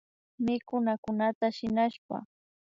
Mikunakunata shinashpa